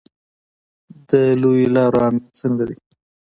د لویو لارو امنیت څنګه دی؟